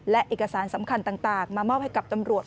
และเอกสารสำคัญต่างมามอบให้กับตำรวจ